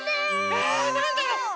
えなんだろ？